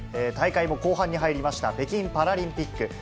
大会も後半に入りました、北京パラリンピック。